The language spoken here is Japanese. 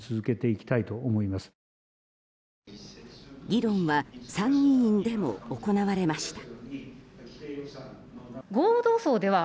議論は参議院でも行われました。